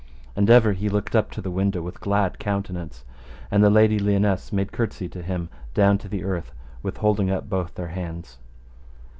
And ever he looked up to the window with glad countenance, and the Lady Lionesse made curtsey to him down to the earth, with holding up both their hands.